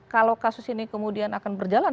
kalau kasus ini kemudian akan berjalan